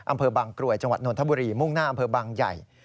อำเภอบางกรวยจังหวัดนทบุรีมุ่งหน้าอำเภอบางใหญ่